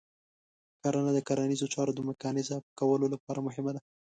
کرنه د کرنیزو چارو د میکانیزه کولو لپاره مهمه ده.